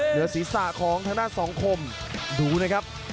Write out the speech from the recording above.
เหนือศีรษะของทางด้านสองคมดูนะครับ